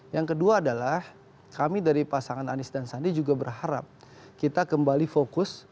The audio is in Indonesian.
yang kedua adalah kami dari pasangan anies dan sandi juga berharap kita kembali fokus